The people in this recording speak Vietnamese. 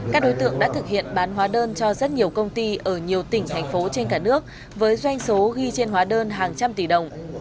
các đối tượng đã thực hiện bán hóa đơn cho rất nhiều công ty ở nhiều tỉnh thành phố trên cả nước với doanh số ghi trên hóa đơn hàng trăm tỷ đồng